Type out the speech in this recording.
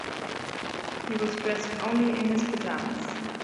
He was dressed only in his pajamas.